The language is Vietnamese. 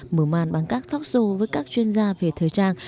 mở màn bằng các tal show với các chuyên gia về thời trang